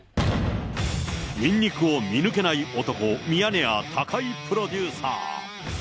ニンニクを見抜けない男、ミヤネ屋、高井プロデューサー。